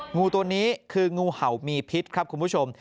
งูตัวนี้คืองูเห่ามีพิษครับคุณผู้ชม